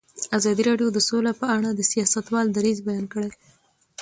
ازادي راډیو د سوله په اړه د سیاستوالو دریځ بیان کړی.